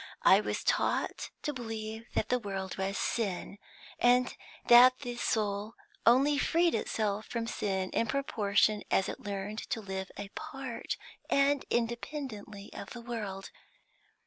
I was taught to believe that the world was sin, and that the soul only freed itself from sin in proportion as it learned to live apart from and independently of the world.